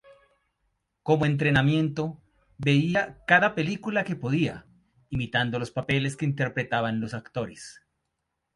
Como entrenamiento, veía cada película que podía, imitando los papeles que interpretaban los actores.